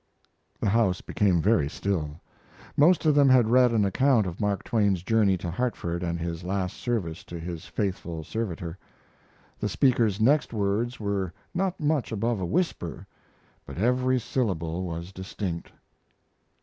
The house became very still. Most of them had read an account of Mark Twain's journey to Hartford and his last service to his faithful servitor. The speaker's next words were not much above a whisper, but every syllable was distinct.